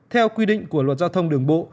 theo quy định của luật giao thông đường bộ